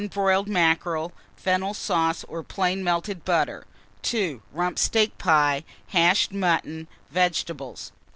Broiled mackerel, fennel sauce or plain melted butter. 2. Rump steak pie, hashed mutton, vegetables.